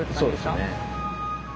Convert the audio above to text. そうですね。